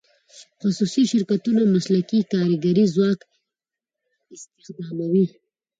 خصوصي شرکتونه مسلکي کارګري ځواک استخداموي.